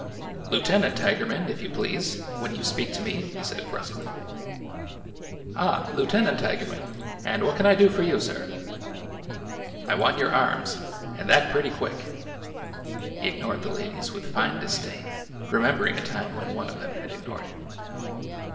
''Lieutenant Tigerman, if you please, when you speak to me 1 " he said brusquely. "Ah! Lieutenant Tigerman. And what can I do for you, sir ?"" I want your arms— and that pretty quick I " He ig nored the ladies with fine disdain, remembering a time when one of them had ignored him.